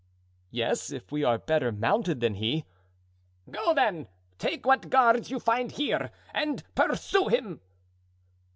"Yes, if we are better mounted than he." "Go then, take what guards you find here, and pursue him."